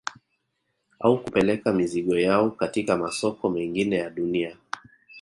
Au kupeleka mizigo yao katika masoko mengine ya dunia